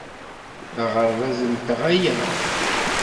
D aɣerbaz-nteɣ aya.